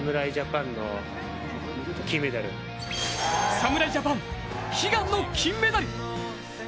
侍ジャパン悲願の金メダル。